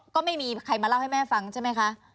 ก็ไม่มีใครมาเล่าให้แม่ฟังใช่ไหมคะ